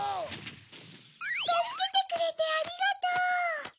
たすけてくれてありがとう！